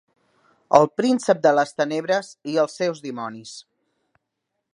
El príncep de les tenebres i els seus dimonis.